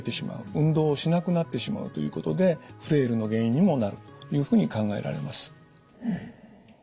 運動をしなくなってしまうということでフレイルの原因にもなるというふうに考えられます。